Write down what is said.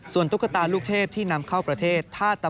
ตุ๊กตาลูกเทพที่นำเข้าประเทศ